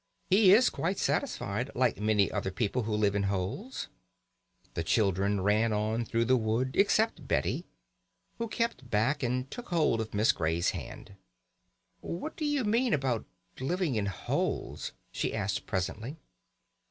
"He is quite satisfied, like many other people who live in holes." The children ran on through the wood, except Betty, who kept back and took hold of Miss Grey's hand. "What do you mean about living in holes?" she asked presently.